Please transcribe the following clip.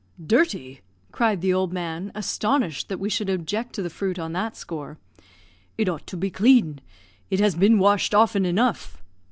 "Dirty!" cried the old man, astonished that we should object to the fruit on that score. "It ought to be clean; it has been washed often enough.